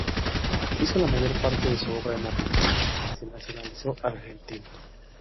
Hizo la mayor parte de su obra en Argentina y se nacionalizó argentino.